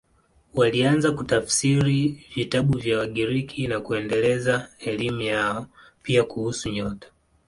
Walianza kutafsiri vitabu vya Wagiriki na kuendeleza elimu yao, pia kuhusu nyota.